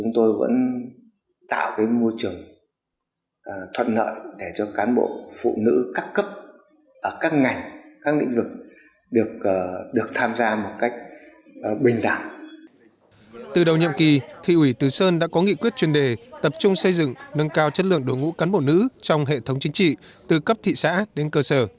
từ đầu nhậm kỳ thị ủy từ sơn đã có nghị quyết chuyên đề tập trung xây dựng nâng cao chất lượng đội ngũ cán bộ nữ trong hệ thống chính trị từ cấp thị xã đến cơ sở